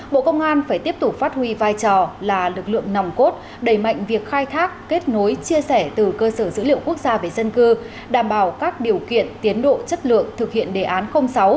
bộ công an phải tiếp tục phát huy vai trò là lực lượng nòng cốt đẩy mạnh việc khai thác kết nối chia sẻ từ cơ sở dữ liệu quốc gia về dân cư đảm bảo các điều kiện tiến độ chất lượng thực hiện đề án sáu